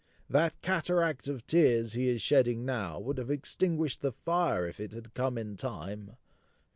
That cataract of tears he is shedding now, would have extinguished the fire if it had come in time!